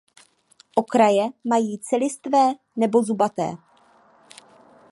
Okraje mají celistvé nebo zubaté.